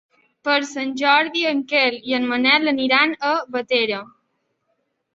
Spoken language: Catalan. Per Sant Jordi en Quel i en Manel aniran a Bétera.